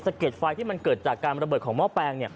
เก็ดไฟที่มันเกิดจากการระเบิดของหม้อแปลง